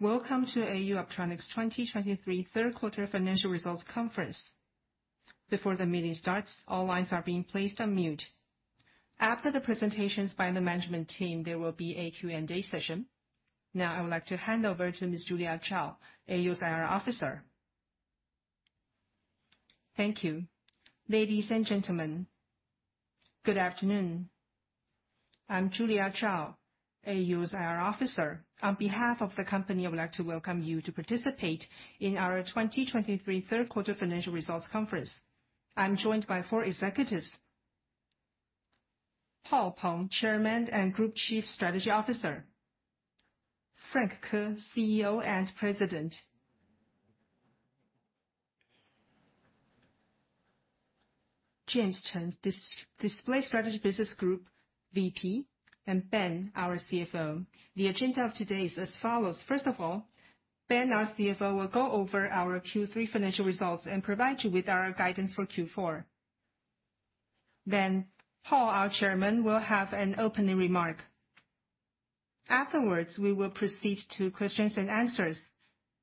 Welcome to AU Optronics 2023 Q3 financial results conference. Before the meeting starts, all lines are being placed on mute. After the presentations by the management team, there will be a Q&A session. Now, I would like to hand over to Ms. Julia Chao, AUO's IR officer. Thank you. Ladies and gentlemen, good afternoon. I'm Julia Chao, AUO's IR officer. On behalf of the company, I would like to welcome you to participate in our 2023 Q3 Financial Results Conference. I'm joined by four executives, Paul Peng, Chairman and Group Chief Strategy Officer, Frank Ko, CEO and President, James Chen, Display Strategy Business Group VP, and Ben, our CFO. The agenda of today is as follows. First of all, Ben, our CFO, will go over our Q3 financial results and provide you with our guidance for Q4. Then Paul, our chairman, will have an opening remark. Afterwards, we will proceed to questions and answers.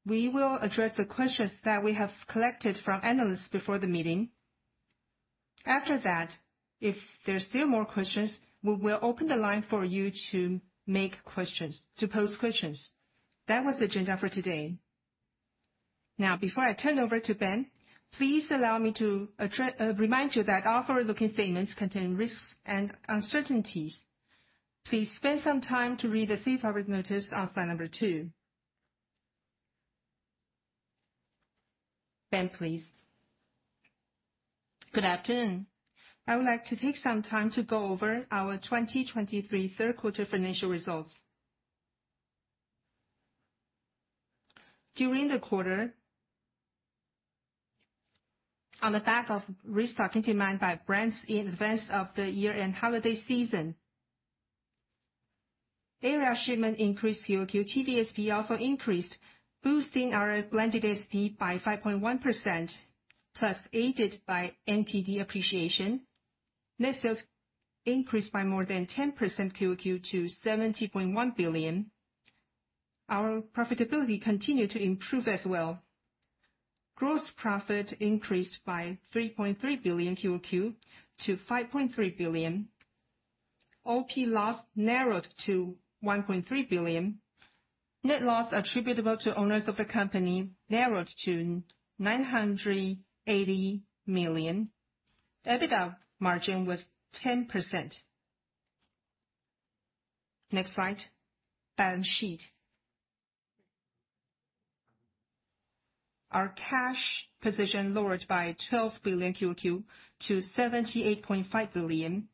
We will address the questions that we have collected from analysts before the meeting. After that, if there are still more questions, we will open the line for you to make questions, to pose questions. That was the agenda for today. Now, before I turn it over to Ben, please allow me to remind you that all forward-looking statements contain risks and uncertainties. Please spend some time to read the safe harbor notice on slide number 2. Ben, please. Good afternoon. I would like to take some time to go over our 2023 Q3 financial results. During the quarter, on the back of restocking demand by brands in advance of the year-end holiday season, area shipment increased Q-o-Q, TV ASP also increased, boosting our blended SP by 5.1%, plus aided by NTD appreciation. Net sales increased by more than 10% Q-o-Q to 70.1 billion. Our profitability continued to improve as well. Gross profit increased by 3.3 billion Q-o-Q to 5.3 billion. OP loss narrowed to 1.3 billion. Net loss attributable to owners of the company narrowed to 980 million. EBITDA margin was 10%. Next slide, balance sheet. Our cash position lowered by 12 billion Q-o-Q to 78.5 billion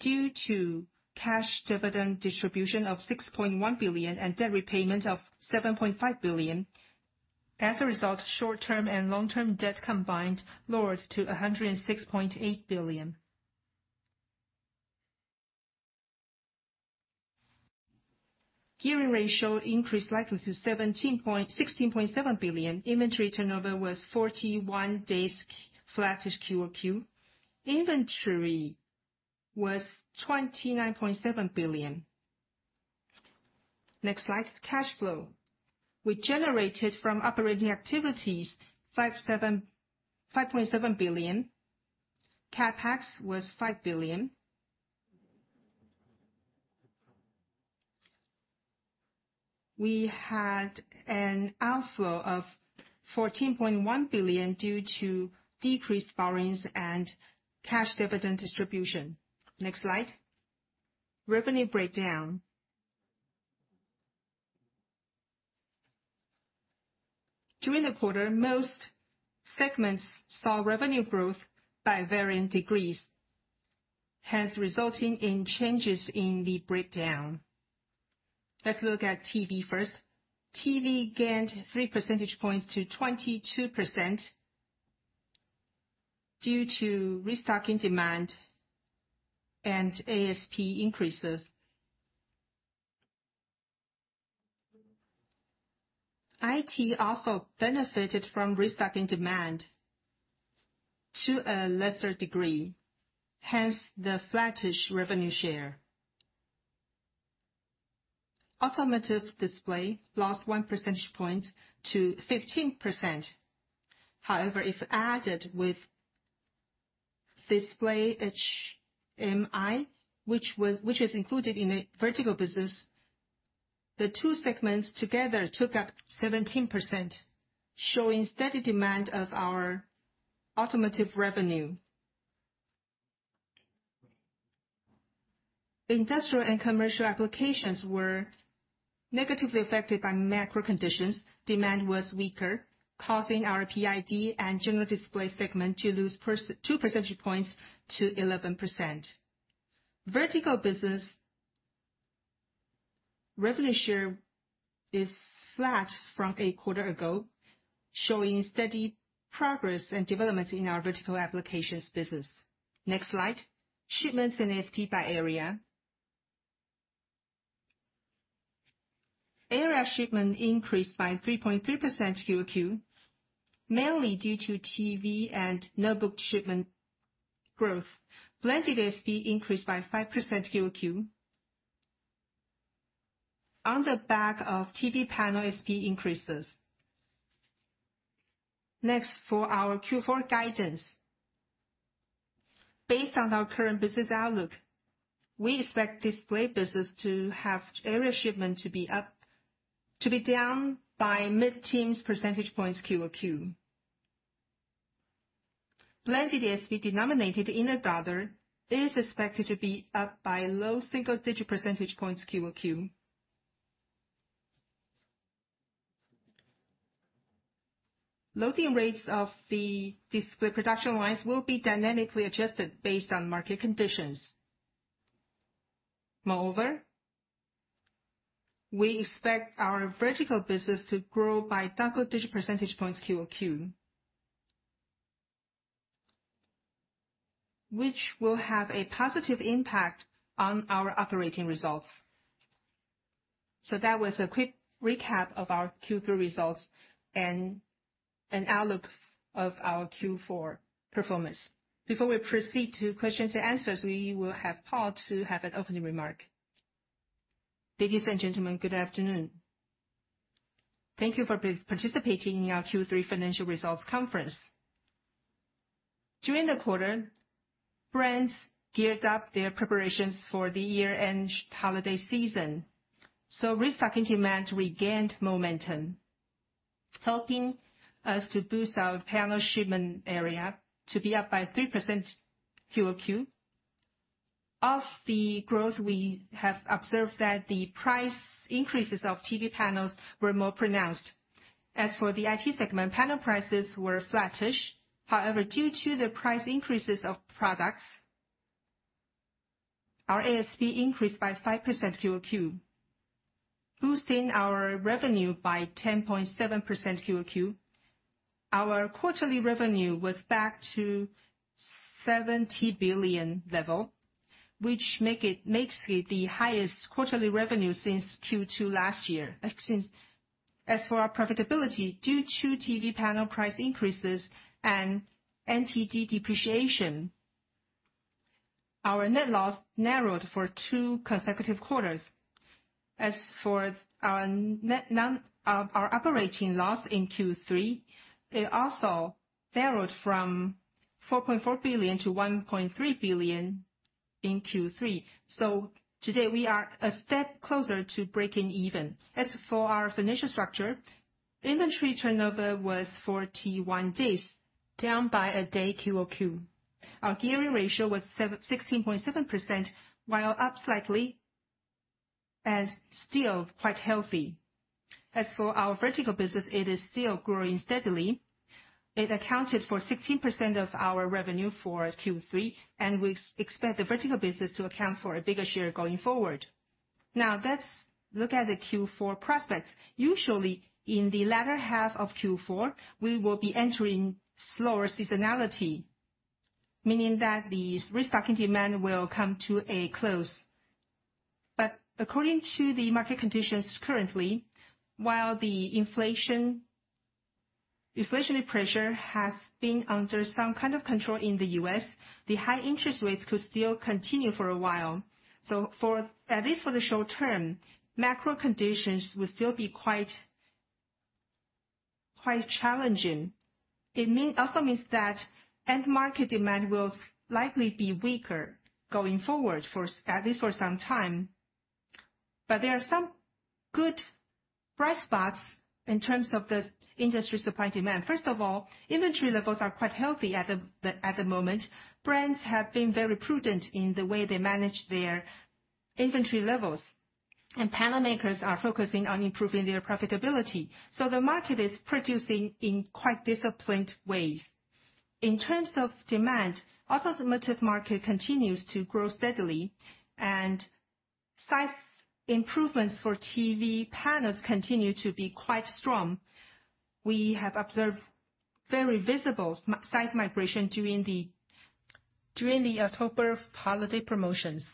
due to cash dividend distribution of 6.1 billion and debt repayment of 7.5 billion. As a result, short-term and long-term debt combined lowered to 106.8 billion. Gearing ratio increased slightly to 16.7%. Inventory turnover was 41 days, flattish Q-o-Q. Inventory was 29.7 billion. Next slide, cash flow. We generated from operating activities 5.7 billion. CapEx was 5 billion. We had an outflow of 14.1 billion due to decreased borrowings and cash dividend distribution. Next slide, revenue breakdown. During the quarter, most segments saw revenue growth by varying degrees, hence resulting in changes in the breakdown. Let's look at TV first. TV gained three percentage points to 22% due to restocking demand and ASP increases. IT also benefited from restocking demand to a lesser degree, hence the flattish revenue share. Automotive display lost one percentage point to 15%. However, if added with Display HMI, which is included in the vertical business, the two segments together took up 17%, showing steady demand of our automotive revenue. Industrial and commercial applications were negatively affected by macro conditions. Demand was weaker, causing our PID and general display segment to lose two percentage points to 11%. Vertical business revenue share is flat from a quarter ago, showing steady progress and developments in our vertical applications business. Next slide, shipments and ASP by area. Area shipment increased by 3.3% Q-o-Q, mainly due to TV and notebook shipment growth. Blended ASP increased by 5% Q-o-Q, on the back of TV panel ASP increases. Next, for our Q4 guidance. Based on our current business outlook, we expect display business to have area shipment down by mid-teens percentage points Q-o-Q. Blended ASP denominated in USD is expected to be up by low single-digit percentage points, Q-o-Q. Loading rates of the display production lines will be dynamically adjusted based on market conditions. Moreover, we expect our vertical business to grow by double-digit percentage points, Q-o-Q, which will have a positive impact on our operating results. So that was a quick recap of our Q3 results and an outlook of our Q4 performance. Before we proceed to questions and answers, we will have Paul to have an opening remark. Ladies and gentlemen, good afternoon. Thank you for participating in our Q3 financial results conference. During the quarter, brands geared up their preparations for the year-end holiday season, so restocking demand regained momentum, helping us to boost our panel shipment area to be up by 3% Q-o-Q. Of the growth, we have observed that the price increases of TV panels were more pronounced. As for the IT segment, panel prices were flattish. However, due to the price increases of products, our ASP increased by 5% Q-o-Q, boosting our revenue by 10.7% Q-o-Q. Our quarterly revenue was back to NTD 70 billion level, which makes it the highest quarterly revenue since Q2 last year. As for our profitability, due to TV panel price increases and NTD depreciation, our net loss narrowed for two consecutive quarters. As for our operating loss in Q3, it also narrowed from NTD 4.4 billion to NTD 1.3 billion in Q3. So today, we are a step closer to breaking even. As for our financial structure, inventory turnover was 41 days, down by a day, Q-o-Q. Our gearing ratio was 16.7%, while up slightly and still quite healthy. As for our vertical business, it is still growing steadily. It accounted for 16% of our revenue for Q3, and we expect the vertical business to account for a bigger share going forward. Now let's look at the Q4 prospects. Usually, in the latter half of Q4, we will be entering slower seasonality, meaning that the restocking demand will come to a close. But according to the market conditions currently, while the inflation, inflationary pressure has been under some kind of control in the U.S., the high interest rates could still continue for a while. So for, at least for the short term, macro conditions will still be quite, quite challenging. It also means that end market demand will likely be weaker going forward for, at least for some time. But there are some good bright spots in terms of the industry supply and demand. First of all, inventory levels are quite healthy at the moment. Brands have been very prudent in the way they manage their inventory levels, and panel makers are focusing on improving their profitability. So the market is producing in quite disciplined ways. In terms of demand, automotive market continues to grow steadily, and size improvements for TV panels continue to be quite strong. We have observed very visible size migration during the October holiday promotions.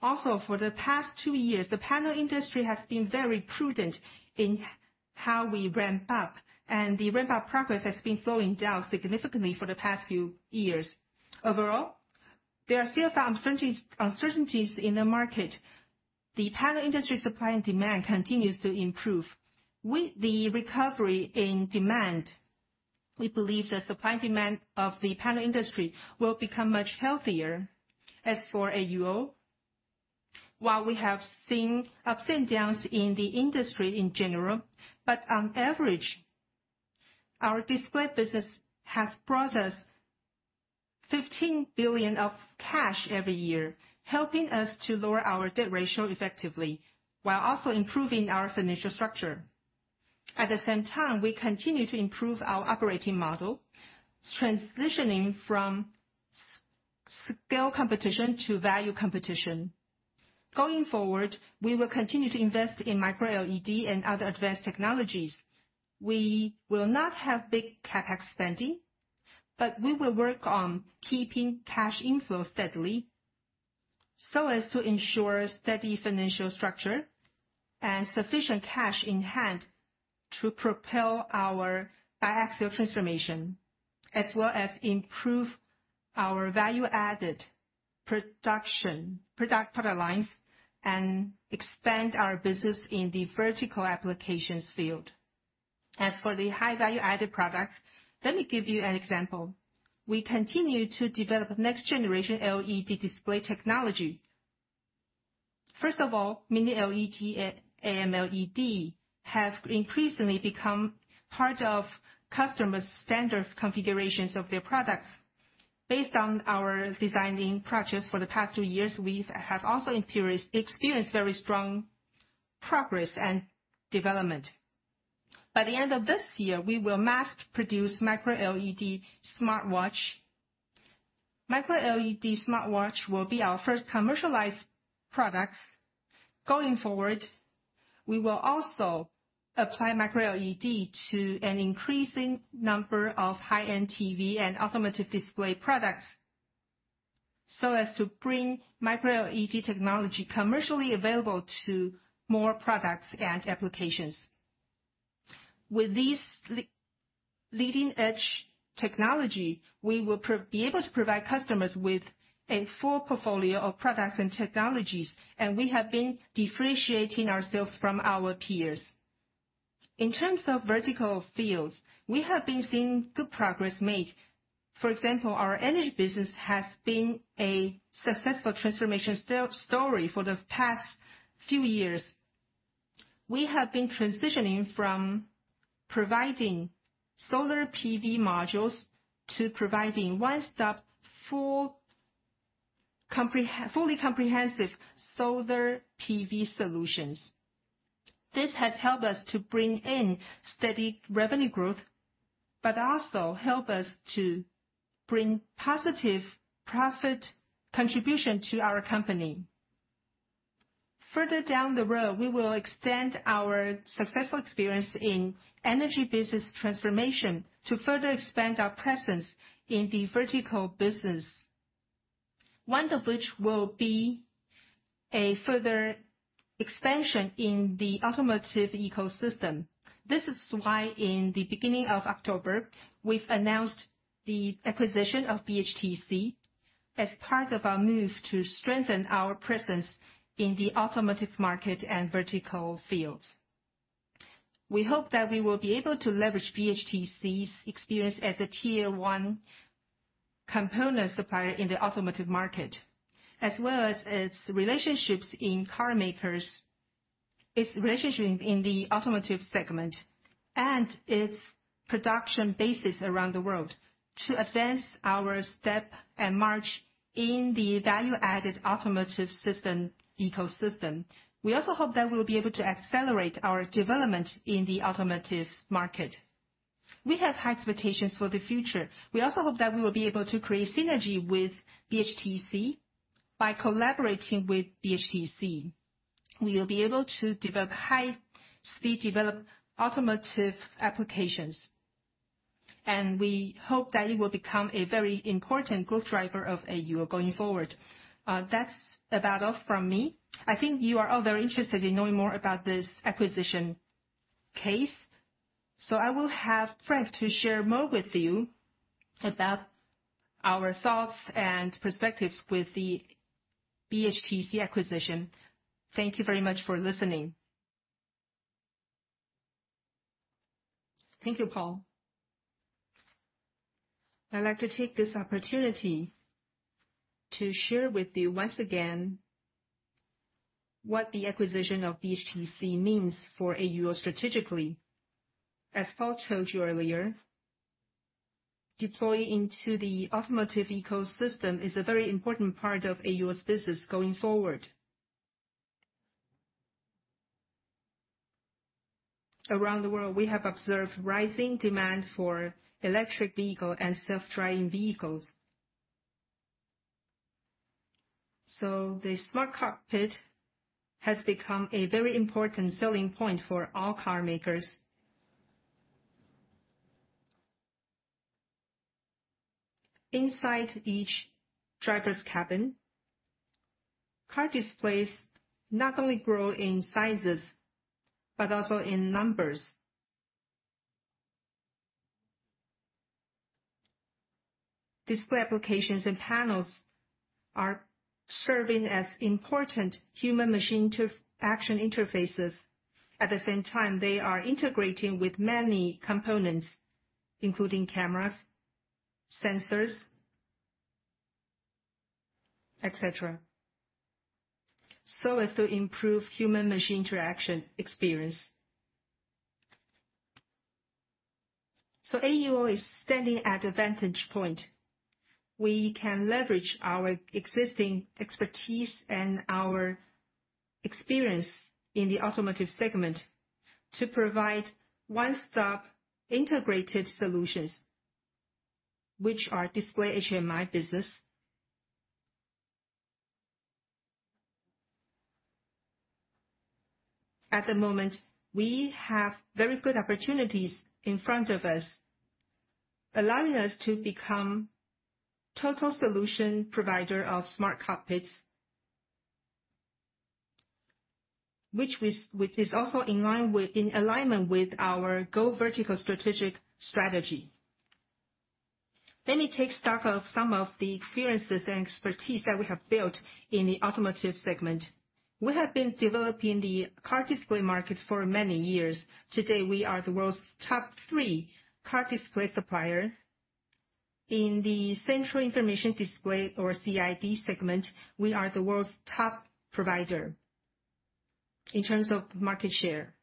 Also, for the past two years, the panel industry has been very prudent in how we ramp up, and the ramp-up progress has been slowing down significantly for the past few years. Overall, there are still some uncertainties in the market. The panel industry supply and demand continues to improve. With the recovery in demand, we believe the supply and demand of the panel industry will become much healthier. As for AUO, while we have seen ups and downs in the industry in general, but on average, our display business has brought us NTD 15 billion of cash every year, helping us to lower our debt ratio effectively, while also improving our financial structure. At the same time, we continue to improve our operating model, transitioning from scale competition to value competition. Going forward, we will continue to invest in micro LED and other advanced technologies. We will not have big CapEx spending, but we will work on keeping cash inflow steadily, so as to ensure steady financial structure and sufficient cash in hand to propel our Biaxial Transformation, as well as improve our value-added production- product lines and expand our business in the vertical applications field. As for the high-value-added products, let me give you an example. We continue to develop next generation LED display technology. First of all, mini LED and AmLED have increasingly become part of customers' standard configurations of their products. Based on our designing projects for the past two years, we've also experienced very strong progress and development. By the end of this year, we will mass produce micro LED smartwatch. Micro LED smartwatch will be our first commercialized products. Going forward, we will also apply micro LED to an increasing number of high-end TV and automotive display products, so as to bring micro LED technology commercially available to more products and applications. With this leading-edge technology, we will be able to provide customers with a full portfolio of products and technologies, and we have been differentiating ourselves from our peers. In terms of vertical fields, we have been seeing good progress made. For example, our energy business has been a successful transformation story for the past few years. We have been transitioning from providing solar PV modules to providing one-stop, fully comprehensive solar PV solutions. This has helped us to bring in steady revenue growth, but also help us to bring positive profit contribution to our company. Further down the road, we will extend our successful experience in energy business transformation to further expand our presence in the vertical business, one of which will be a further expansion in the automotive ecosystem. This is why in the beginning of October, we've announced the acquisition of BHTC as part of our move to strengthen our presence in the automotive market and vertical fields. We hope that we will be able to leverage BHTC's experience as a Tier 1 component supplier in the automotive market, as well as its relationships in car makers, its relationship in the automotive segment, and its production bases around the world, to advance our step and march in the value-added automotive system ecosystem. We also hope that we'll be able to accelerate our development in the automotive market. We have high expectations for the future. We also hope that we will be able to create synergy with BHTC. By collaborating with BHTC, we will be able to develop high speed, develop automotive applications, and we hope that it will become a very important growth driver of AUO going forward. That's about all from me. I think you are all very interested in knowing more about this acquisition case, so I will have Frank to share more with you about our thoughts and perspectives with the BHTC acquisition. Thank you very much for listening. Thank you, Paul. I'd like to take this opportunity to share with you once again what the acquisition of BHTC means for AUO strategically. As Paul told you earlier, deploying into the automotive ecosystem is a very important part of AUO's business going forward. Around the world, we have observed rising demand for electric vehicle and self-driving vehicles. So the smart cockpit has become a very important selling point for all car makers. Inside each driver's cabin, car displays not only grow in sizes, but also in numbers. Display applications and panels are serving as important human-machine interaction interfaces. At the same time, they are integrating with many components, including cameras, sensors, et cetera, so as to improve human machine interaction experience. So AUO is standing at a vantage point. We can leverage our existing expertise and our experience in the automotive segment to provide one-stop integrated solutions, which are display HMI business... at the moment, we have very good opportunities in front of us, allowing us to become total solution provider of smart cockpits, which is, which is also in line with - in alignment with our Go Vertical strategic strategy. Let me take stock of some of the experiences and expertise that we have built in the automotive segment. We have been developing the car display market for many years. Today, we are the world's top three car display supplier. In the central information display or CID segment, we are the world's top provider in terms of market share.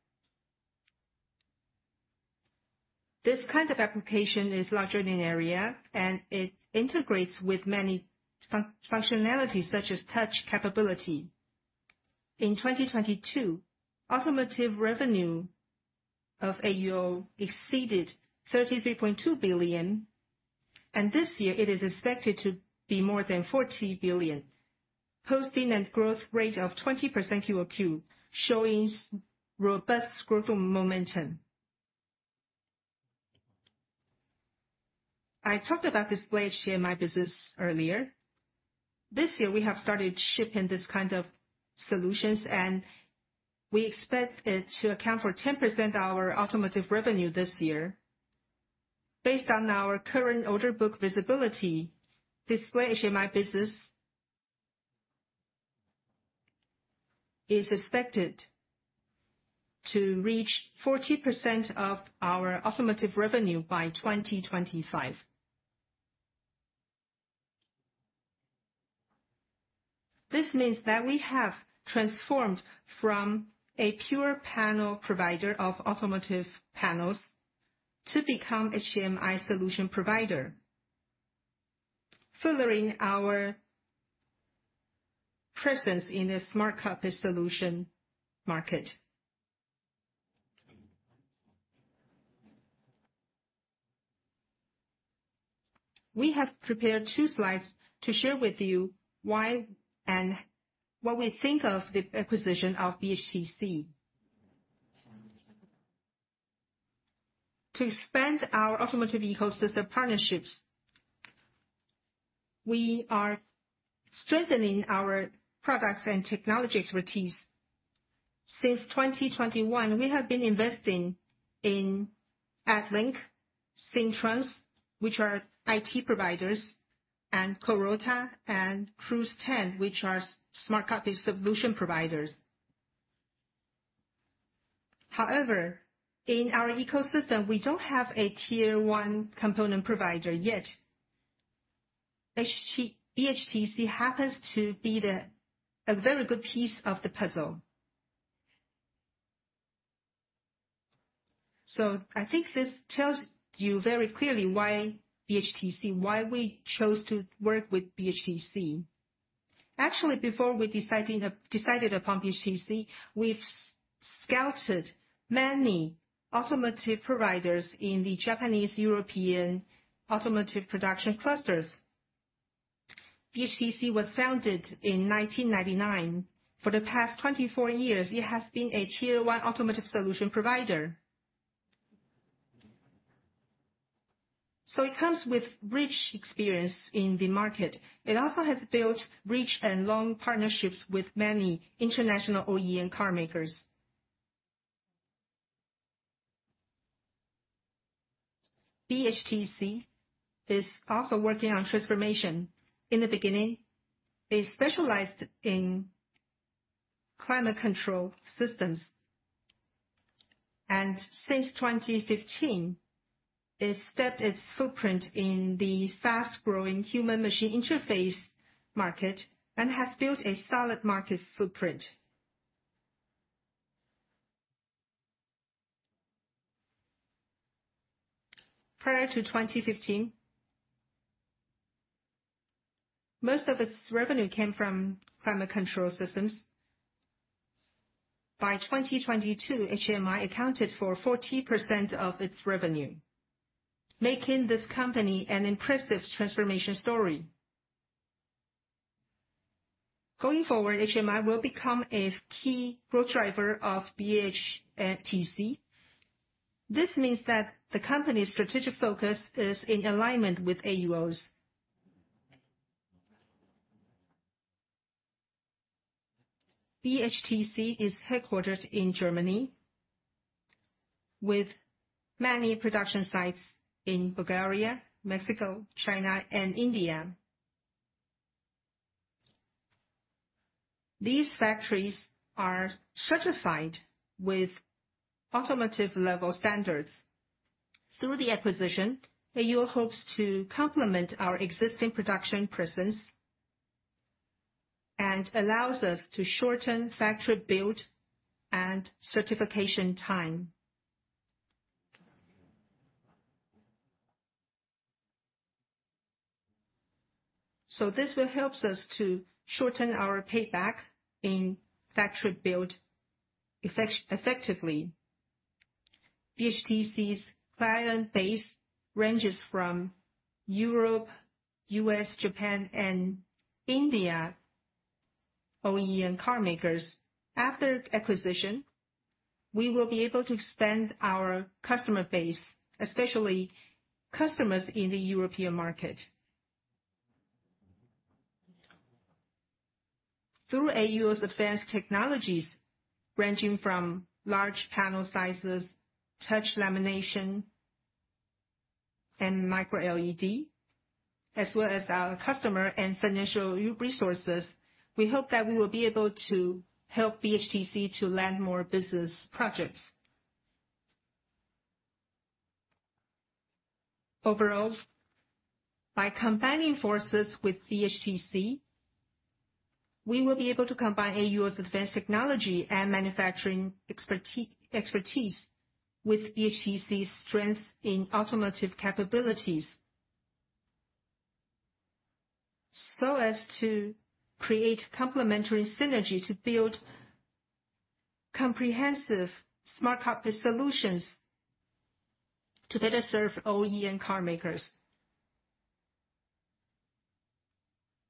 This kind of application is larger in area, and it integrates with many functionality, such as touch capability. In 2022, automotive revenue of AUO exceeded 33.2 billion, and this year it is expected to be more than 40 billion, hosting a growth rate of 20% Q-o-Q, showing robust growth momentum. I talked about display HMI business earlier. This year, we have started shipping this kind of solutions, and we expect it to account for 10% of our automotive revenue this year. Based on our current order book visibility, display HMI business is expected to reach 40% of our automotive revenue by 2025. This means that we have transformed from a pure panel provider of automotive panels to become HMI solution provider, furthering our presence in a smart cockpit solution market. We have prepared two slides to share with you why and what we think of the acquisition of BHTC. To expand our automotive ecosystem partnerships, we are strengthening our products and technology expertise. Since 2021, we have been investing in ADLINK, SINTRONES, which are IT providers, and Carota and Cruise10, which are smart cockpit solution providers. However, in our ecosystem, we don't have a Tier 1 component provider yet. BHTC happens to be a very good piece of the puzzle. So I think this tells you very clearly why BHTC, why we chose to work with BHTC. Actually, before we decided upon BHTC, we've scouted many automotive providers in the Japanese, European automotive production clusters. BHTC was founded in 1999. For the past 24 years, it has been a Tier 1 automotive solution provider. So it comes with rich experience in the market. It also has built rich and long partnerships with many international OEM car makers. BHTC is also working on transformation. In the beginning, it specialized in climate control systems, and since 2015, it stepped its footprint in the fast-growing human machine interface market and has built a solid market footprint. Prior to 2015, most of its revenue came from climate control systems. By 2022, HMI accounted for 40% of its revenue, making this company an impressive transformation story. Going forward, HMI will become a key growth driver of BHTC. This means that the company's strategic focus is in alignment with AUO's. BHTC is headquartered in Germany, with many production sites in Bulgaria, Mexico, China and India. These factories are certified with automotive-level standards. Through the acquisition, AUO hopes to complement our existing production presence and allows us to shorten factory build and certification time. This will helps us to shorten our payback in factory build effectively. BHTC's client base ranges from Europe, U.S., Japan, and India, OEM and car makers. After acquisition, we will be able to expand our customer base, especially customers in the European market. Through AUO's advanced technologies, ranging from large panel sizes, touch lamination, and micro LED, as well as our customer and financial resources, we hope that we will be able to help BHTC to land more business projects. Overall, by combining forces with BHTC, we will be able to combine AUO's advanced technology and manufacturing expertise with BHTC's strength in automotive capabilities. So as to create complementary synergy to build comprehensive smart cockpit solutions to better serve OEM and car makers.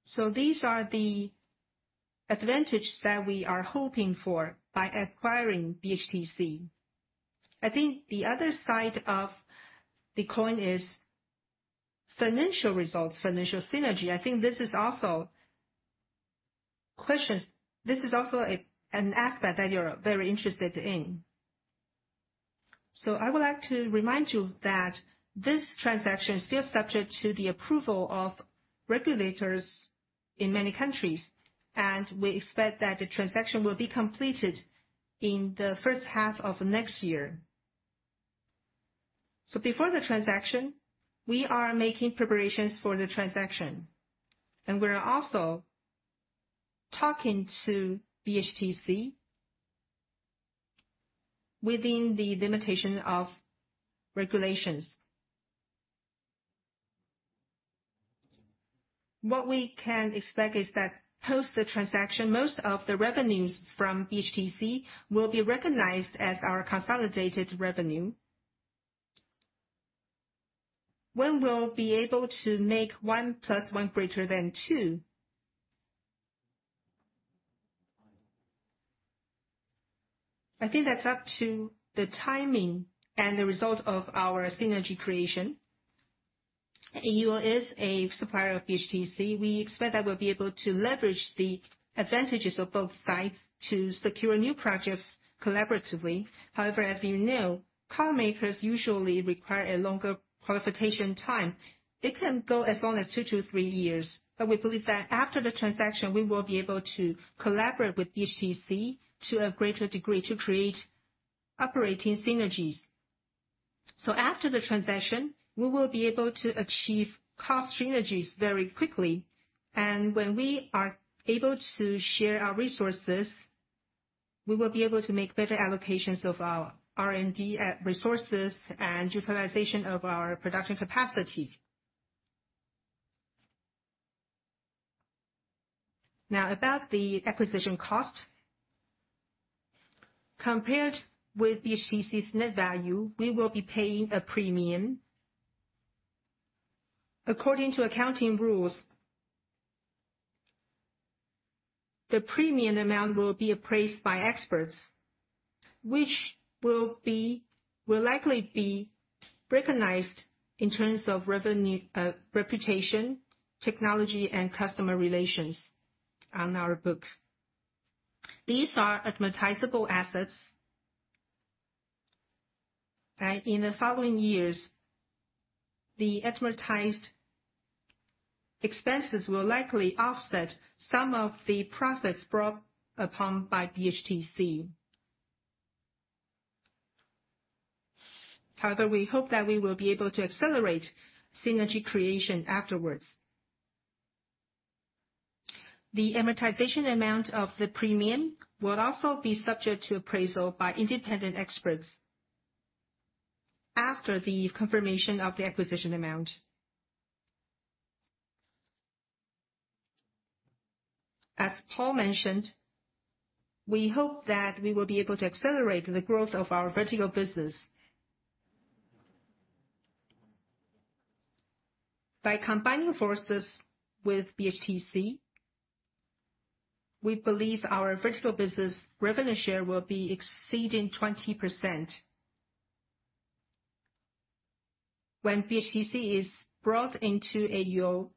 So these are the advantages that we are hoping for by acquiring BHTC. I think the other side of the coin is financial results, financial synergy. I think this is also a, an aspect that you're very interested in. So I would like to remind you that this transaction is still subject to the approval of regulators in many countries, and we expect that the transaction will be completed in the first half of next year. So before the transaction, we are making preparations for the transaction, and we are also talking to BHTC within the limitation of regulations. What we can expect is that post the transaction, most of the revenues from BHTC will be recognized as our consolidated revenue. When we'll be able to make one plus one greater than two? I think that's up to the timing and the result of our synergy creation. AUO is a supplier of BHTC. We expect that we'll be able to leverage the advantages of both sides to secure new projects collaboratively. However, as you know, car makers usually require a longer qualification time. It can go as long as 2-3 years, but we believe that after the transaction, we will be able to collaborate with BHTC to a greater degree to create operating synergies. So after the transaction, we will be able to achieve cost synergies very quickly, and when we are able to share our resources, we will be able to make better allocations of our R&D resources and utilization of our production capacity. Now, about the acquisition cost. Compared with BHTC's net value, we will be paying a premium. According to accounting rules, the premium amount will be appraised by experts, which will likely be recognized in terms of revenue, reputation, technology, and customer relations on our books. These are amortizable assets, and in the following years, the amortized expenses will likely offset some of the profits brought upon by BHTC. However, we hope that we will be able to accelerate synergy creation afterwards. The amortization amount of the premium will also be subject to appraisal by independent experts after the confirmation of the acquisition amount. As Paul mentioned, we hope that we will be able to accelerate the growth of our vertical business. By combining forces with BHTC, we believe our vertical business revenue share will be exceeding 20%. When BHTC is brought into AUO,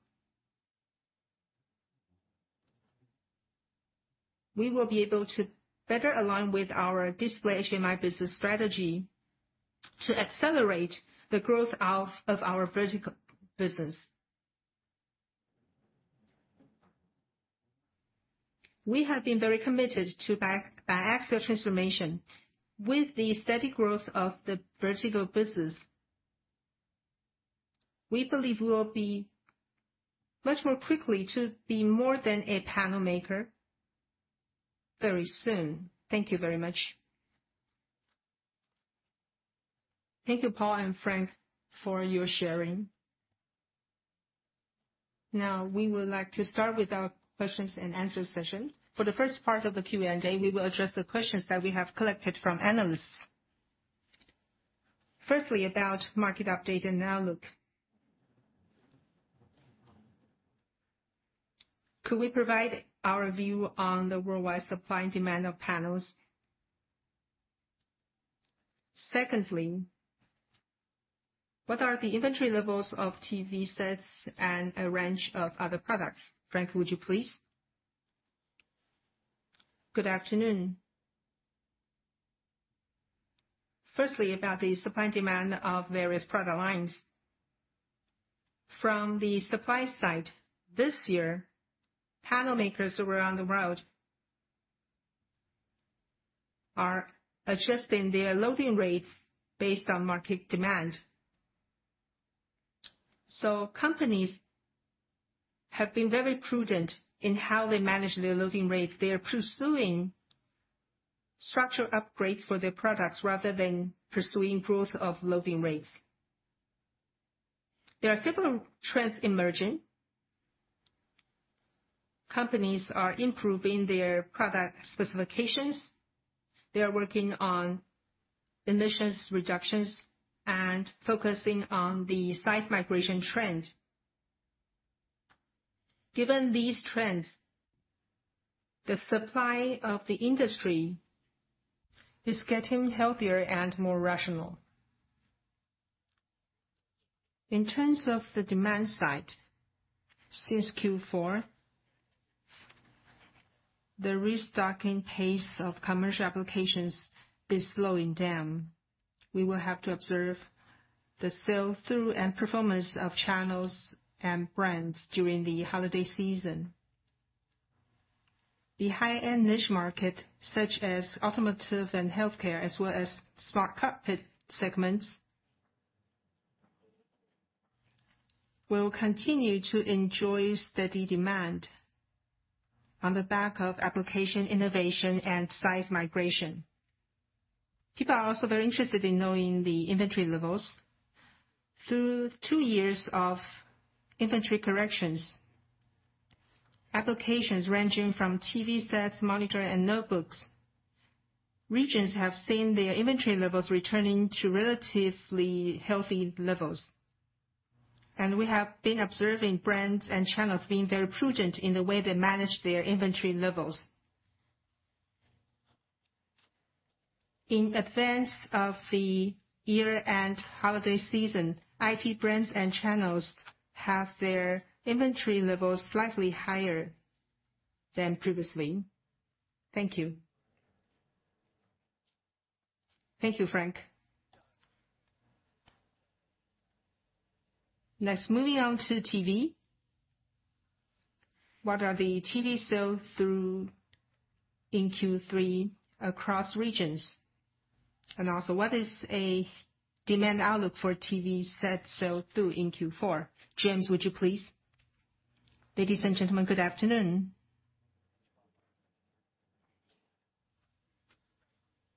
we will be able to better align with our Display HMI business strategy to accelerate the growth of our vertical business. We have been very committed to Biaxial Transformation. With the steady growth of the vertical business, we believe we will be much more quickly to be more than a panel maker very soon. Thank you very much. Thank you, Paul and Frank, for your sharing... Now, we would like to start with our questions and answer session. For the first part of the Q&A we will address the questions that we have collected from analysts. Firstly, about market update and outlook. Could we provide our view on the worldwide supply and demand of panels? Secondly, what are the inventory levels of TV sets and a range of other products? Frank, would you please? Good afternoon. Firstly, about the supply and demand of various product lines. From the supply side, this year, panel makers around the world are adjusting their loading rates based on market demand. So companies have been very prudent in how they manage their loading rates. They are pursuing structural upgrades for their products rather than pursuing growth of loading rates. There are several trends emerging. Companies are improving their product specifications. They are working on emissions reductions and focusing on the size migration trend. Given these trends, the supply of the industry is getting healthier and more rational. In terms of the demand side, since Q4, the restocking pace of commercial applications is slowing down. We will have to observe the sell-through and performance of channels and brands during the holiday season. The high-end niche market, such as automotive and healthcare, as well as Smart Cockpit segments, will continue to enjoy steady demand on the back of application, innovation, and size migration. People are also very interested in knowing the inventory levels. Through two years of inventory corrections, applications ranging from TV sets, monitor, and notebooks, regions have seen their inventory levels returning to relatively healthy levels, and we have been observing brands and channels being very prudent in the way they manage their inventory levels. In advance of the year-end holiday season, IT brands and channels have their inventory levels slightly higher than previously. Thank you. Thank you, Frank. Let's moving on to TV. What are the TV sell-through in Q3 across regions, and also what is a demand outlook for TV set sell-through in Q4? James, would you, please? Ladies and gentlemen, good afternoon.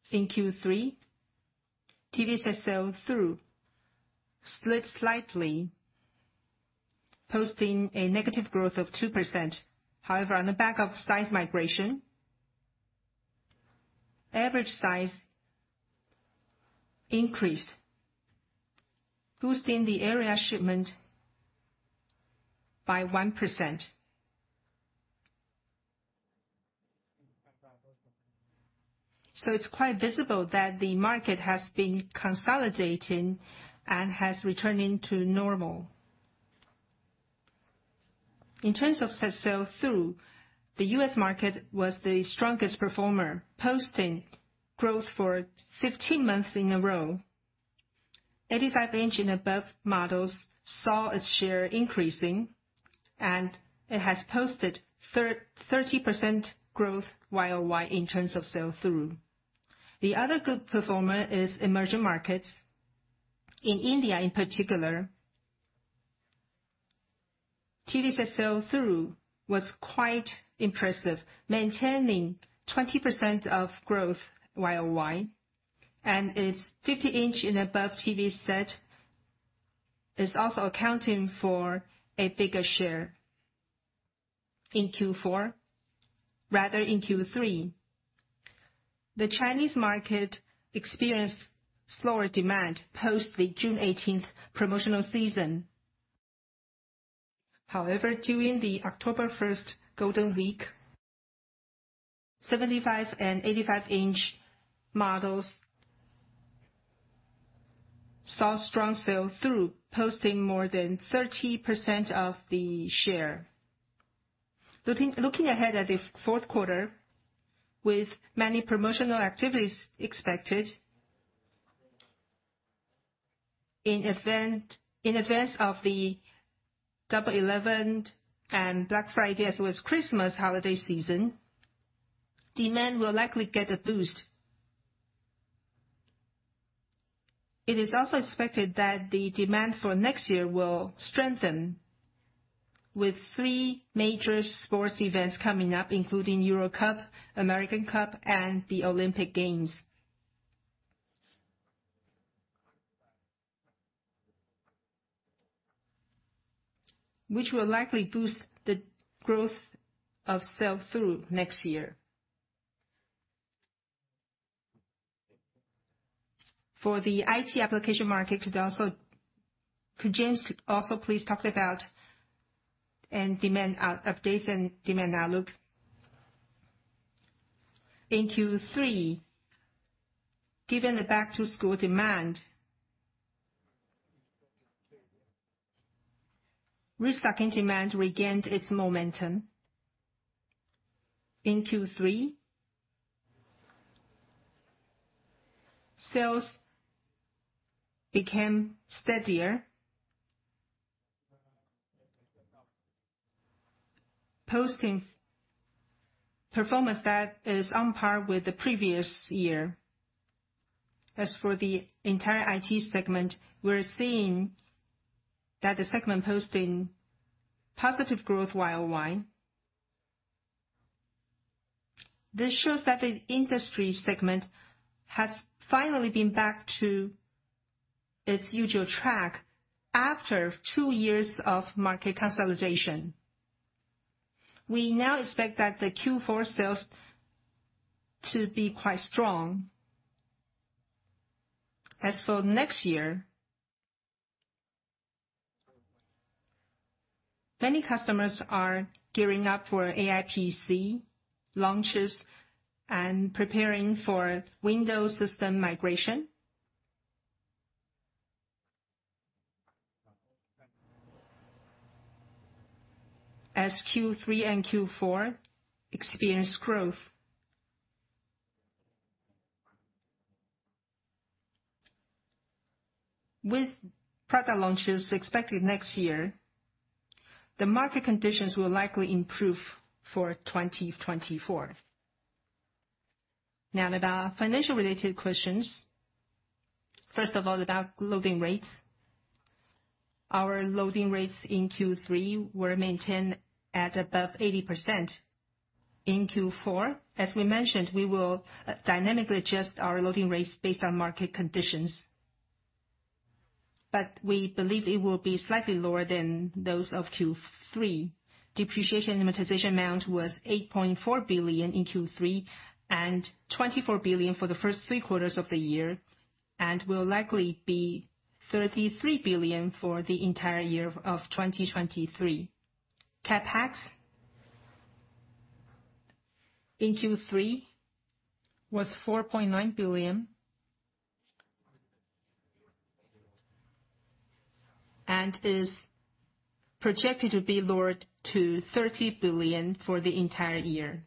In Q3, TV set sell-through slipped slightly, posting a negative growth of 2%. However, on the back of size migration, average size increased, boosting the area shipment by 1%. So it's quite visible that the market has been consolidating and has returning to normal. In terms of set sell-through, the U.S. market was the strongest performer, posting growth for 15 months in a row. 85-inch and above models saw its share increasing, and it has posted 30% growth year-over-year in terms of sell-through. The other good performer is emerging markets. In India, in particular, TV set sell-through was quite impressive, maintaining 20% of growth year-over-year, and its 50-inch and above TV set is also accounting for a bigger share in Q4, rather in Q3. The Chinese market experienced slower demand post the June 18th promotional season. However, during the October 1st Golden Week, 75-inch and 85-inch models saw strong sell-through, posting more than 30% of the share. Looking ahead at the Q4, with many promotional activities expected in advance of the Double 11 and Black Friday, as well as Christmas Holiday season, demand will likely get a boost. It is also expected that the demand for next year will strengthen with three major sports events coming up, including Euro Cup, American Cup, and the Olympic Games, which will likely boost the growth of sell-through next year. For the IT application market, could James also please talk about demand updates and demand outlook? In Q3, given the Back-to-School demand, restocking demand regained its momentum. In Q3, sales became steadier, posting performance that is on par with the previous year. As for the entire IT segment, we're seeing that the segment posting positive growth Y-o-Y. This shows that the industry segment has finally been back to its usual track after two years of market consolidation. We now expect that the Q4 sales to be quite strong. As for next year, many customers are gearing up for AI PC launches and preparing for Windows system migration. As Q3 and Q4 experience growth. With product launches expected next year, the market conditions will likely improve for 2024. Now, about financial-related questions. First of all, about loading rates. Our loading rates in Q3 were maintained at above 80%. In Q4, as we mentioned, we will dynamically adjust our loading rates based on market conditions, but we believe it will be slightly lower than those of Q3. Depreciation and amortization amount was 8.4 billion in Q3, and 24 billion for the first three quarters of the year, and will likely be 33 billion for the entire year of 2023. CapEx in Q3 was TWD 4.9 billion, and is projected to be lowered to 30 billion for the entire year.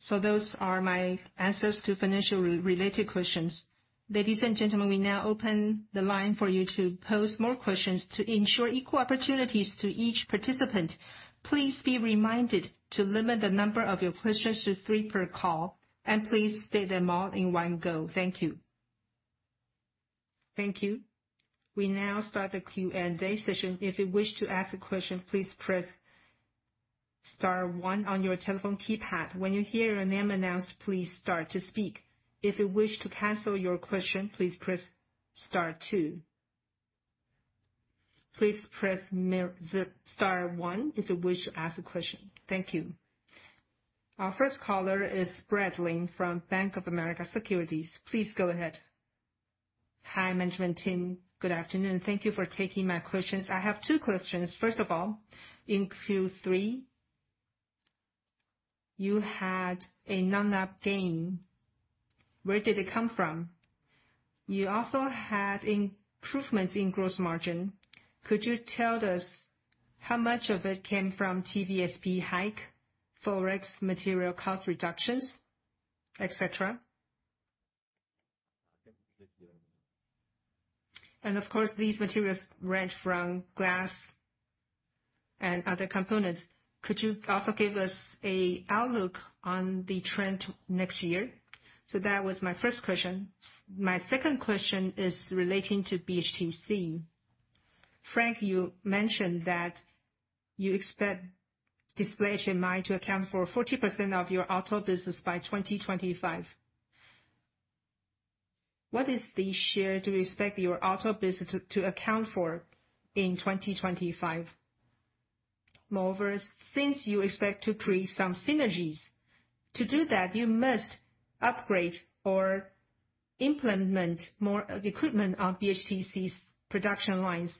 So those are my answers to financially-related questions. Ladies and gentlemen, we now open the line for you to pose more questions. To ensure equal opportunities to each participant, please be reminded to limit the number of your questions to three per call, and please state them all in one go. Thank you. Thank you. We now start the Q&A session. If you wish to ask a question, please press star one on your telephone keypad. When you hear your name announced, please start to speak. If you wish to cancel your question, please press star two. Please press star one if you wish to ask a question. Thank you. Our first caller is Bradley from Bank of America Securities. Please go ahead. Hi, management team. Good afternoon. Thank you for taking my questions. I have two questions. First of all, in Q3, you had a non-GAAP gain. Where did it come from? You also had improvements in gross margin. Could you tell us how much of it came from TVSP hike, Forex material cost reductions, et cetera? And of course, these materials range from glass and other components. Could you also give us a outlook on the trend next year? So that was my first question. My second question is relating to BHTC. Frank, you mentioned that you expect display HMI to account for 40% of your auto business by 2025. What is the share do you expect your auto business to account for in 2025? Moreover, since you expect to create some synergies, to do that, you must upgrade or implement more equipment on BHTC's production lines.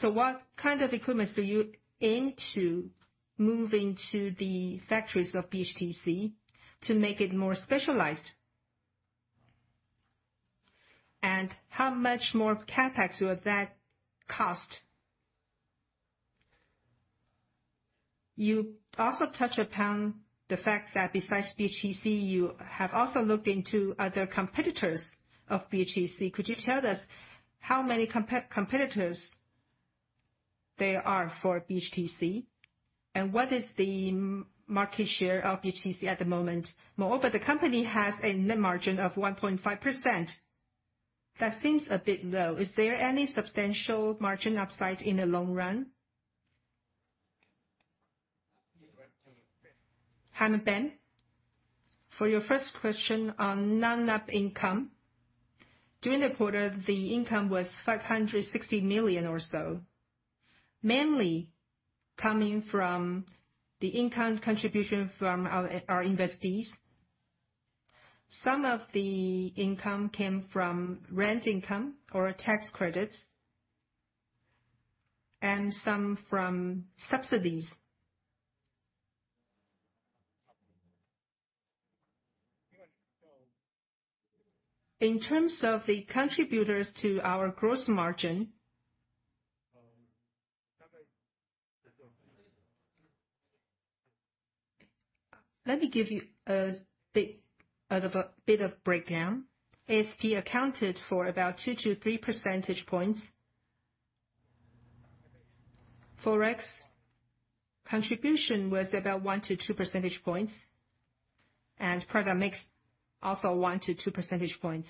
So what kind of equipment are you into moving to the factories of BHTC to make it more specialized? And how much more CapEx will that cost? You also touched upon the fact that besides BHTC, you have also looked into other competitors of BHTC. Could you tell us how many competitors there are for BHTC, and what is the market share of BHTC at the moment? Moreover, the company has a net margin of 1.5%. That seems a bit low. Is there any substantial margin upside in the long run? Hi, I'm Ben. For your first question on non-GAAP income, during the quarter, the income was 560 million or so, mainly coming from the income contribution from our, our investees. Some of the income came from rent income or tax credits, and some from subsidies. In terms of the contributors to our gross margin, let me give you a bit of a, bit of breakdown. SP accounted for about 2-3 percentage points. Forex contribution was about 1-2 percentage points, and product mix, also 1-2 percentage points.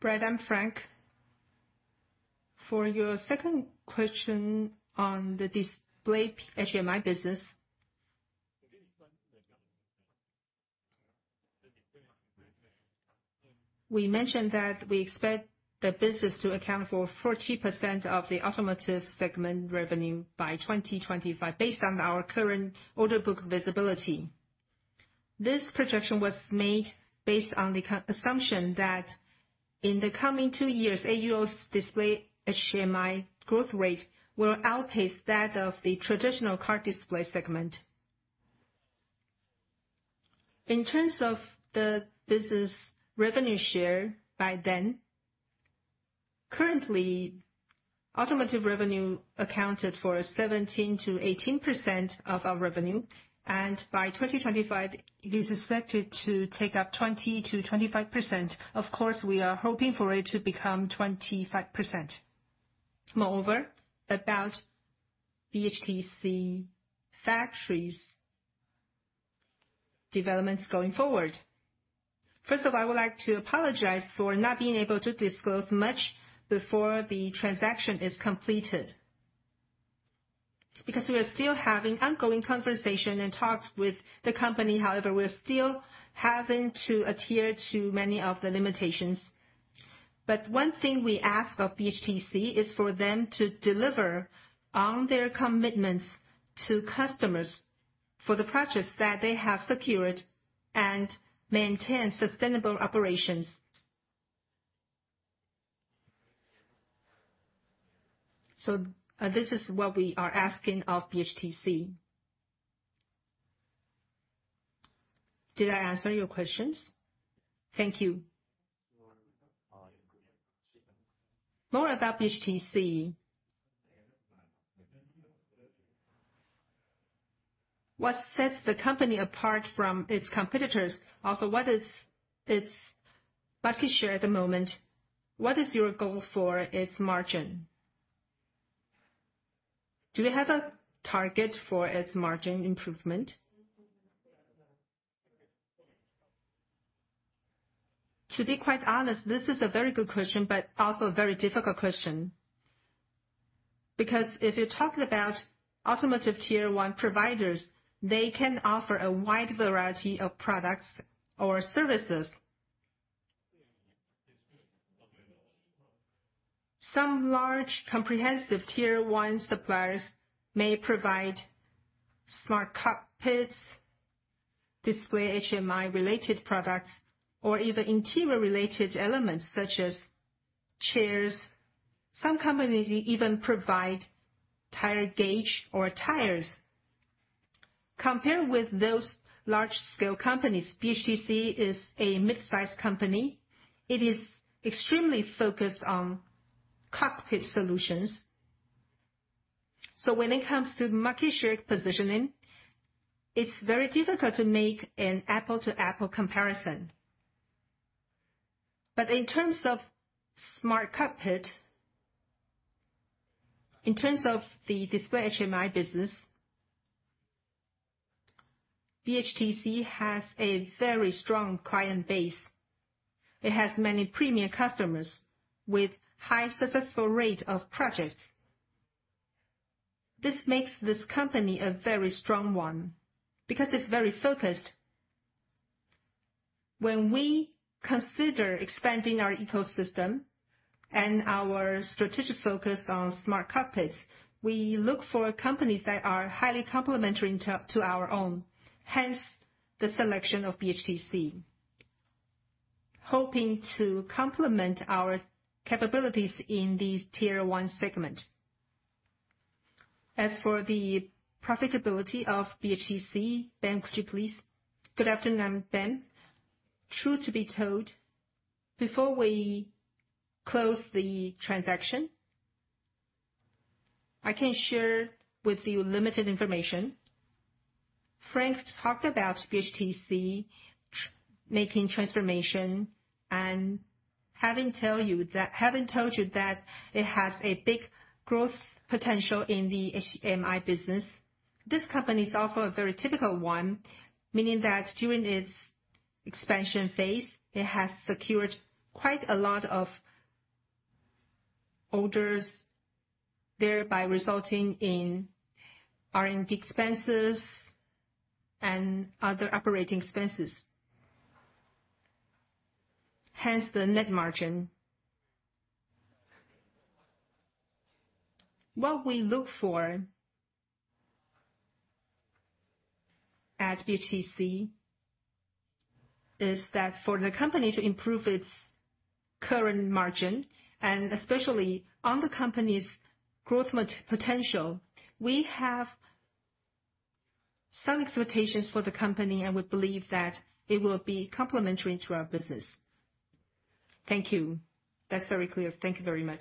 Brad, I'm Frank, for your second question on the display HMI business. We mentioned that we expect the business to account for 40% of the automotive segment revenue by 2025, based on our current order book visibility. This projection was made based on the assumption that in the coming two years, AUO's Display HMI growth rate will outpace that of the traditional car display segment. In terms of the business revenue share by then, currently, automotive revenue accounted for 17%-18% of our revenue, and by 2025, it is expected to take up 20%-25%. Of course, we are hoping for it to become 25%. Moreover, about BHTC factories developments going forward. First of all, I would like to apologize for not being able to disclose much before the transaction is completed, because we are still having ongoing conversation and talks with the company. However, we're still having to adhere to many of the limitations. But one thing we ask of BHTC is for them to deliver on their commitments to customers for the projects that they have secured and maintain sustainable operations. So this is what we are asking of BHTC. Did I answer your questions? Thank you. More about BHTC. What sets the company apart from its competitors? Also, what is its market share at the moment? What is your goal for its margin? Do you have a target for its margin improvement? To be quite honest, this is a very good question, but also a very difficult question, because if you're talking about automotive Tier 1 providers, they can offer a wide variety of products or services. Some large comprehensive Tier 1 suppliers may provide Smart Cockpits, Display HMI related products, or even interior related elements, such as chairs. Some companies even provide tire gauge or tires. Compared with those large-scale companies, BHTC is a mid-sized company. It is extremely focused on cockpit solutions. So when it comes to market share positioning, it's very difficult to make an apple-to-apple comparison. But in terms of smart cockpit, in terms of the Display HMI business, BHTC has a very strong client base. It has many premier customers with high successful rate of projects. This makes this company a very strong one, because it's very focused. When we consider expanding our ecosystem and our strategic focus on smart cockpits, we look for companies that are highly complementary to our own, hence the selection of BHTC, hoping to complement our capabilities in the Tier 1 segment. As for the profitability of BHTC, Ben, could you please? Good afternoon, I'm Ben. Truth to be told, before we close the transaction, I can share with you limited information. Frank talked about BHTC making transformation and having told you that it has a big growth potential in the HMI business. This company is also a very typical one, meaning that during its expansion phase, it has secured quite a lot of orders, thereby resulting in R&D expenses and other operating expenses. Hence, the net margin. What we look for at BHTC is that for the company to improve its current margin, and especially on the company's growth potential, we have some expectations for the company, and we believe that it will be complementary to our business. Thank you. That's very clear. Thank you very much.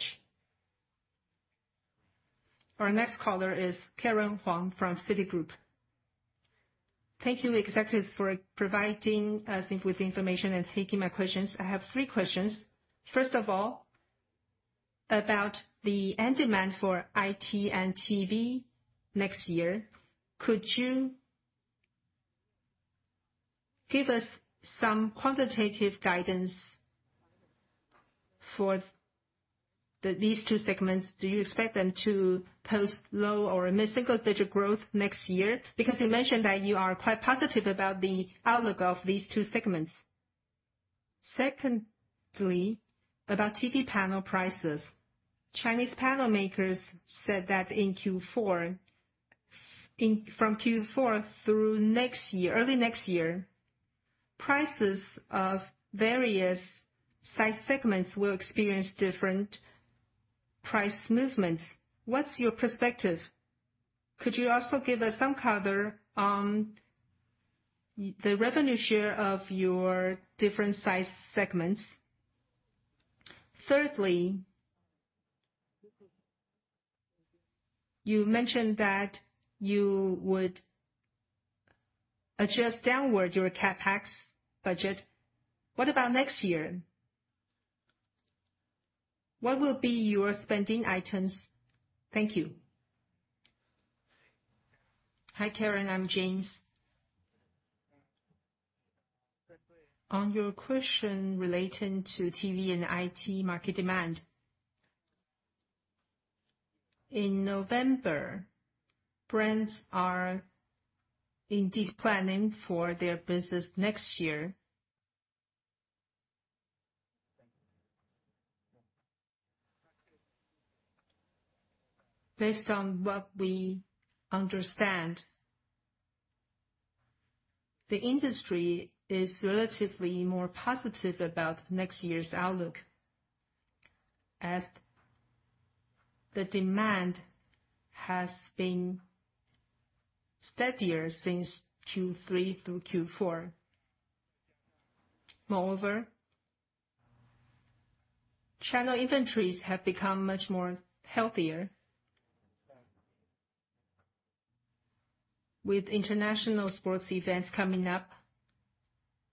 Our next caller is Karen Huang from Citigroup. Thank you, executives, for providing us with information and taking my questions. I have three questions. First of all, about the end demand for IT and TV next year, could you give us some quantitative guidance for these two segments? Do you expect them to post low or mid-single digit growth next year? Because you mentioned that you are quite positive about the outlook of these two segments. Secondly, about TV panel prices. Chinese panel makers said that in Q4, from Q4 through next year, early next year, prices of various size segments will experience different price movements. What's your perspective? Could you also give us some color on the revenue share of your different size segments? Thirdly, you mentioned that you would adjust downward your CapEx budget. What about next year? What will be your spending items? Thank you. Hi, Karen, I'm James. On your question relating to TV and IT market demand, in November, brands are indeed planning for their business next year. Based on what we understand, the industry is relatively more positive about next year's outlook, as the demand has been steadier since Q3 through Q4. Moreover, channel inventories have become much more healthier. With international sports events coming up,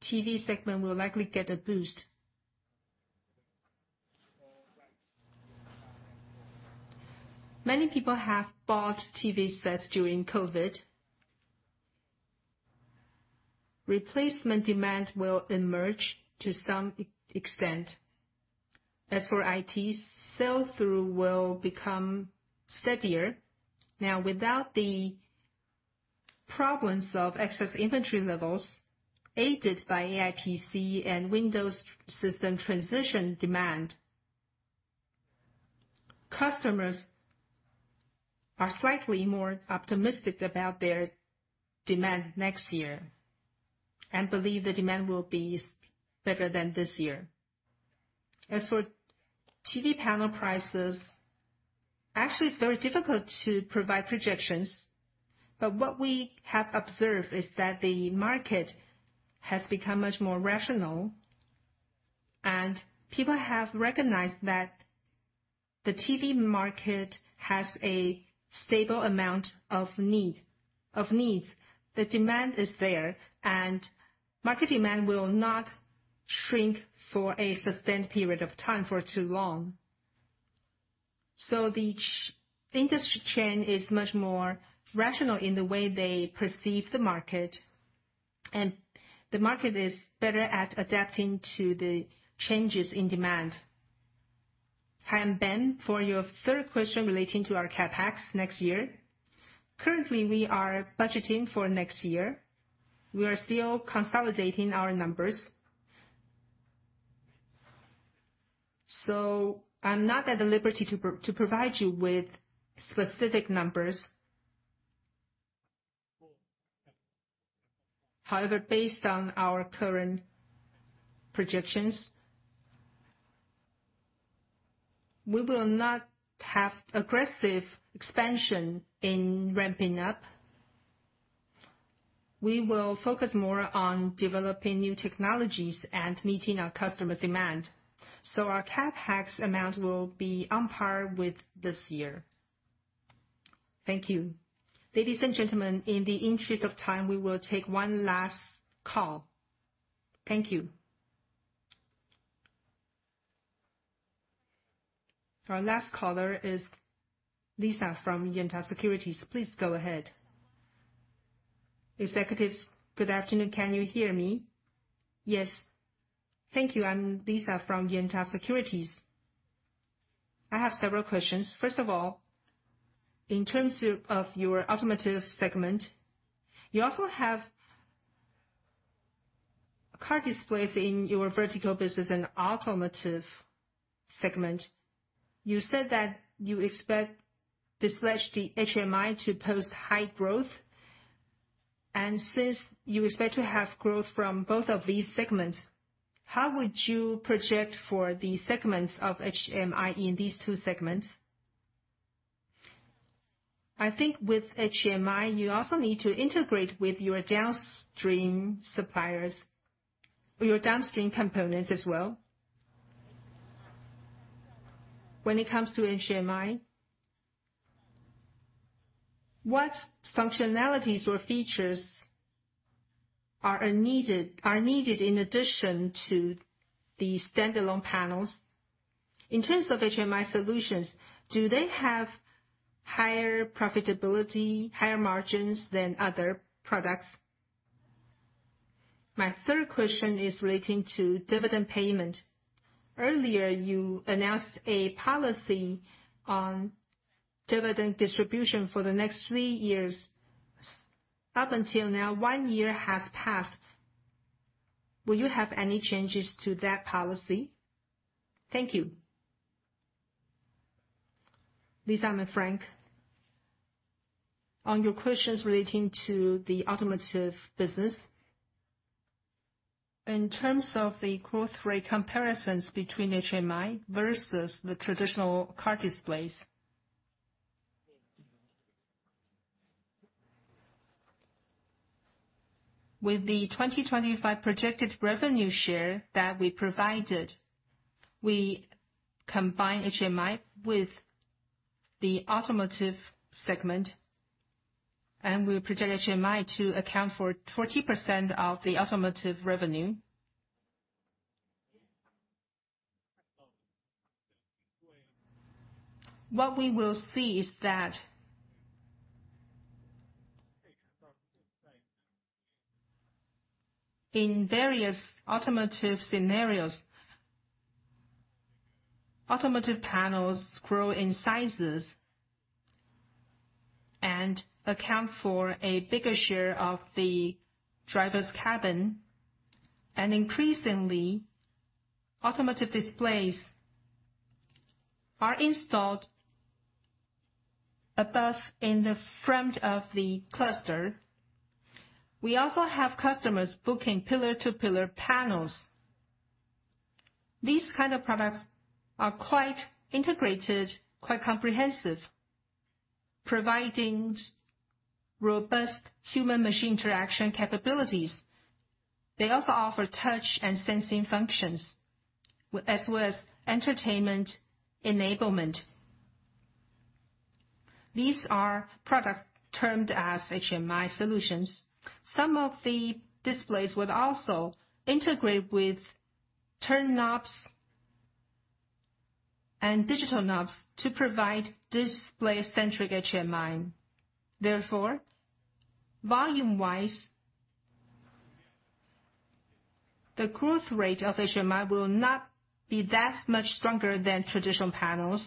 TV segment will likely get a boost. Many people have bought TV sets during COVID. Replacement demand will emerge to some extent. As for IT, sell-through will become steadier. Now, without the problems of excess inventory levels, aided by AI PC and Windows system transition demand, customers are slightly more optimistic about their demand next year and believe the demand will be better than this year. As for TV panel prices, actually, it's very difficult to provide projections, but what we have observed is that the market has become much more rational, and people have recognized that the TV market has a stable amount of need, of needs. The demand is there, and market demand will not shrink for a sustained period of time for too long. So the industry chain is much more rational in the way they perceive the market, and the market is better at adapting to the changes in demand. Hi, I'm Ben. For your third question relating to our CapEx next year, currently, we are budgeting for next year. We are still consolidating our numbers. So I'm not at the liberty to provide you with specific numbers. However, based on our current projections, we will not have aggressive expansion in ramping up. We will focus more on developing new technologies and meeting our customers' demand, so our CapEx amount will be on par with this year. Thank you. Ladies and gentlemen, in the interest of time, we will take one last call. Thank you. Our last caller is Lisa from Yuanta Securities. Please go ahead. Executives, good afternoon. Can you hear me? Yes. Thank you. I'm Lisa from Yuanta Securities. I have several questions. First of all, in terms of your automotive segment, you also have car displays in your vertical business and automotive segment. You said that you expect display HMI to post high growth, and since you expect to have growth from both of these segments, how would you project for the segments of HMI in these two segments? I think with HMI, you also need to integrate with your downstream suppliers or your downstream components as well. When it comes to HMI, what functionalities or features are needed, are needed in addition to the standalone panels? In terms of HMI solutions, do they have higher profitability, higher margins than other products? My third question is relating to dividend payment. Earlier, you announced a policy on dividend distribution for the next three years. Up until now, one year has passed. Will you have any changes to that policy? Thank you. Lisa, I'm Frank. On your questions relating to the automotive business, in terms of the growth rate comparisons between HMI versus the traditional car displays... With the 2025 projected revenue share that we provided, we combine HMI with the automotive segment, and we project HMI to account for 40% of the automotive revenue. What we will see is that in various automotive scenarios, automotive panels grow in sizes and account for a bigger share of the driver's cabin, and increasingly, automotive displays are installed above in the front of the cluster. We also have customers booking pillar-to-pillar panels. These kind of products are quite integrated, quite comprehensive, providing robust human machine interaction capabilities. They also offer touch and sensing functions, as well as entertainment enablement. These are products termed as HMI solutions. Some of the displays would also integrate with turn knobs and digital knobs to provide display-centric HMI. Therefore, volume-wise, the growth rate of HMI will not be that much stronger than traditional panels.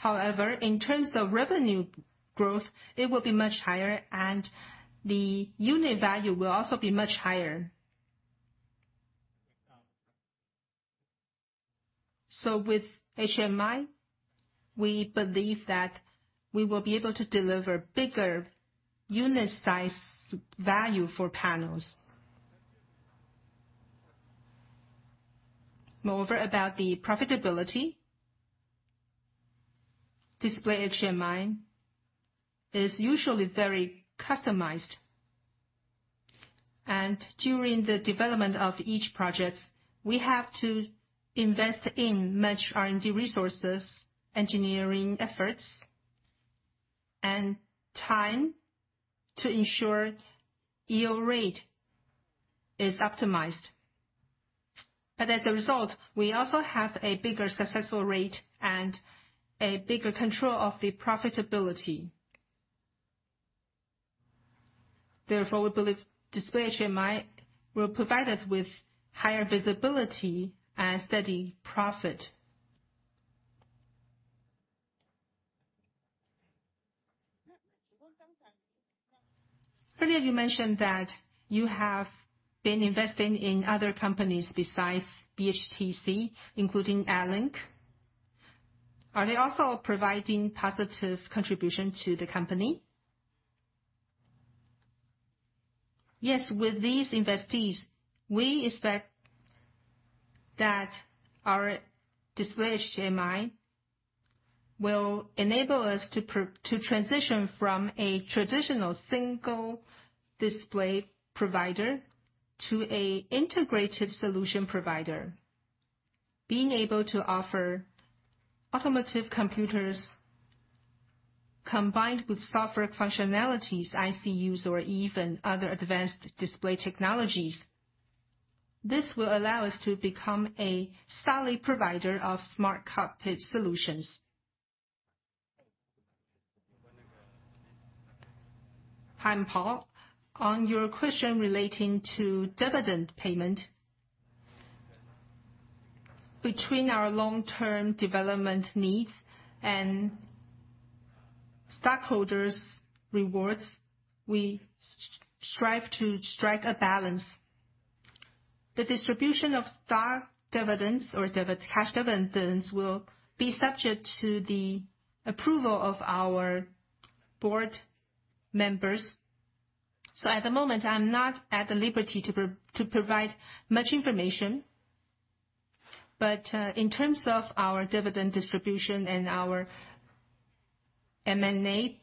However, in terms of revenue growth, it will be much higher, and the unit value will also be much higher. So with HMI, we believe that we will be able to deliver bigger unit size value for panels. Moreover, about the profitability, Display HMI is usually very customized, and during the development of each project, we have to invest in much R&D resources, engineering efforts, and time to ensure yield rate is optimized. But as a result, we also have a bigger successful rate and a bigger control of the profitability. Therefore, we believe Display HMI will provide us with higher visibility and steady profit. Earlier, you mentioned that you have been investing in other companies besides BHTC, including ADLINK. Are they also providing positive contribution to the company? Yes. With these investees, we expect that our Display HMI will enable us to to transition from a traditional single display provider to a integrated solution provider, being able to offer automotive computers combined with software functionalities, ECUs, or even other advanced display technologies. This will allow us to become a solid provider of smart cockpit solutions. I'm Paul. On your question relating to dividend payment, between our long-term development needs and stockholders' rewards, we strive to strike a balance. The distribution of stock dividends or cash dividends will be subject to the approval of our board members. At the moment, I'm not at the liberty to provide much information. But in terms of our dividend distribution and our M&A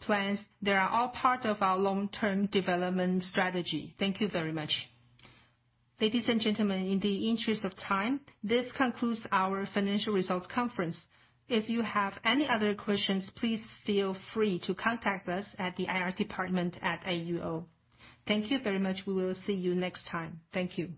plans, they are all part of our long-term development strategy. Thank you very much. Ladies and gentlemen, in the interest of time, this concludes our financial results conference. If you have any other questions, please feel free to contact us at the IR department at AUO. Thank you very much. We will see you next time. Thank you.